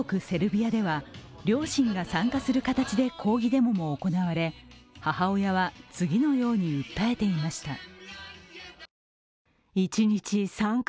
セルビアでは両親が参加する形で抗議デモも行われ母親は次のように訴えていました。